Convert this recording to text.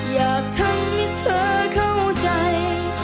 อยากทำให้เธอเข้าใจ